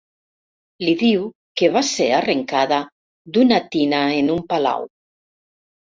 Li diu que va ser arrencada d'una tina en un palau.